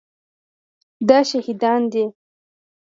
دا شهیدان دي